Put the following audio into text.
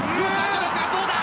どうだ？